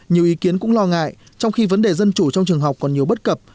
nhiều ý kiến cũng lo ngại trong khi vấn đề dân chủ trong trường học còn nhiều bất cập